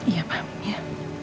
iya paham ya